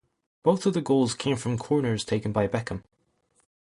Both of the goals came from corners taken by Beckham.